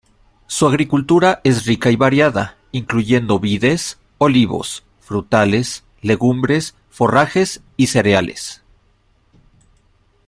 Su agricultura es rica y variada, incluyendo vides, olivos, frutales, legumbres, forrajes y cereales.